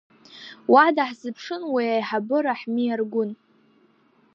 Уа даҳзыԥшын уи аиҳабы Раҳми Аргәын.